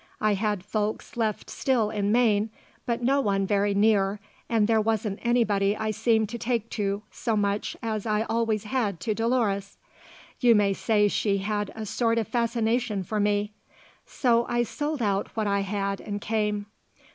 I had folks left still in Maine; but no one very near and there wasn't anybody I seemed to take to so much as I always had to Dolores. You may say she had a sort of fascination for me. So I sold out what I had and came.